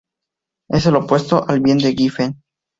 Es el opuesto al bien de Giffen.